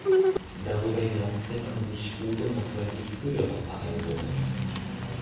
Darüber hinaus finden sich Spuren noch deutlich früherer Vereisungen.